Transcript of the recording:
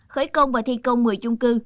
khởi công và thi công một mươi chung cư